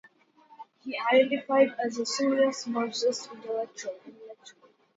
He identified as a serious Marxist intellectual.